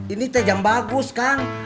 ini teh jam bagus kang